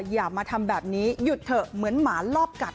อย่ามาทำแบบนี้หยุดเถอะเหมือนหมาลอบกัด